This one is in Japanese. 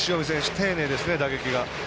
丁寧ですね、打撃が。